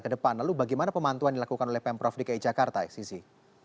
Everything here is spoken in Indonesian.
ke depan lalu bagaimana pemantuan dilakukan oleh pemprov dki jakarta sisi